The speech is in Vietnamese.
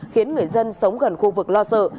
khiến người dân sống gần khu vực lo sợ